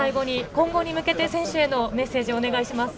今後に向けて選手へメッセージをお願いします。